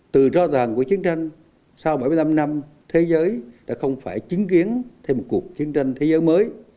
từ rõ ràng của chiến tranh sau bảy mươi năm năm thế giới đã không phải chứng kiến thêm một cuộc chiến tranh thế giới mới